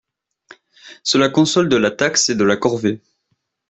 Cela console de la taxe et de la corvée.